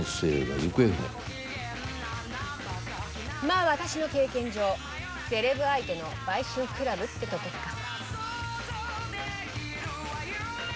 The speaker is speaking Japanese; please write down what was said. まあ私の経験上セレブ相手の売春クラブってとこか。